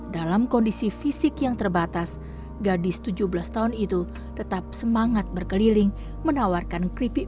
dalam kondisi fisik yang terbatas gadis tujuh belas tahun itu tetap semangat berkeliling menawarkan keripik